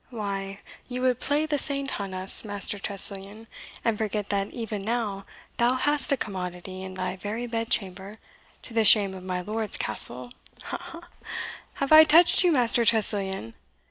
Why, you would play the saint on us, Master Tressilian, and forget that even now thou hast a commodity in thy very bedchamber, to the shame of my lord's castle, ha! ha! ha! Have I touched you, Master Tressilian?"